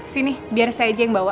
sini biar saya aja yang bawa